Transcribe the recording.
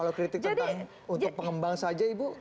kalau kritik tentang untuk pengembang saja ibu